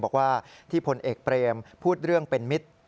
บอกว่าที่พลเอกเปรมพูดเรื่องเป็นมิตร